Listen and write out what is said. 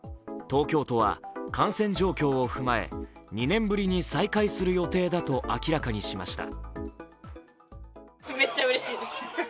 東京都は感染状況を踏まえ２年ぶりに再開する予定だと明らかにしました。